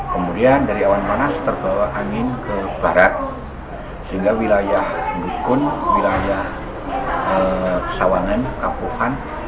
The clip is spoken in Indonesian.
kemudian dari awan panas terbawa angin ke barat sehingga wilayah dukun wilayah pesawangan kapuhan